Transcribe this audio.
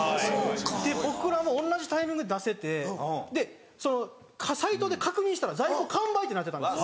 で僕らも同じタイミングで出せてサイトで確認したら在庫完売ってなってたんです